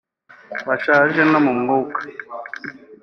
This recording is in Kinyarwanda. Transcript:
bashaje no mu mwuka